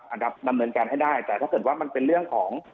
ดำเนินการให้ได้แต่ถ้าเกิดว่ามันเป็นเรื่องของ